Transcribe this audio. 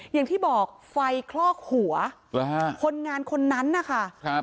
อย่างที่บอกไฟคลอกหัวคนงานคนนั้นนะคะครับ